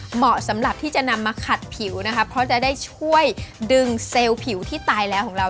เหมาะสำหรับที่จะนำมาขัดผิวนะคะเพราะจะได้ช่วยดึงเซลล์ผิวที่ตายแล้วของเรา